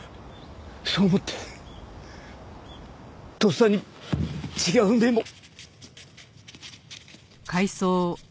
そう思ってとっさに違うメモを。